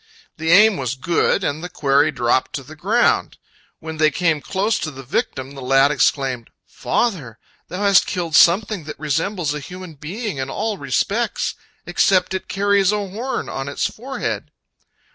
The aim was good, and the quarry dropped to the ground. When they came close to the victim, the lad exclaimed: "Father, thou hast killed something that resembles a human being in all respects, except it carries a horn on its forehead!"